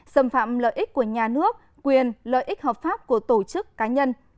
xâm phạm lợi ích của nhà nước quyền lợi ích hợp pháp của tổ chức cá nhân